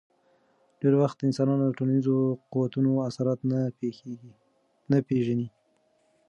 ډېری وخت انسانان د ټولنیزو قوتونو اثرات نه پېژني.